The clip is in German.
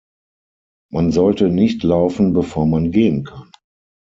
Man sollte nicht laufen, bevor man gehen kann.